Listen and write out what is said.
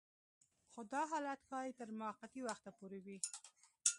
خو دا حالت ښايي تر موقتي وخته پورې وي